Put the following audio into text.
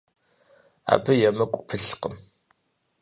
Абы емыкӀу пылъкъым.